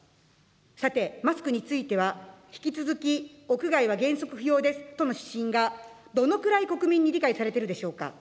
さて、マスクについては、引き続き屋外は原則不要ですとの指針が、どのくらい国民に理解されてるでしょうか。